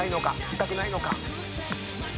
痛くないのか？